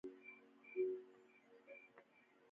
خولۍ د نخي یا وړۍ نه جوړیږي.